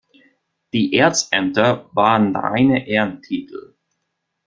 Die Erzämter waren reine Ehrentitel.